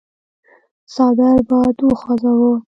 څادر باد وخوځاوه.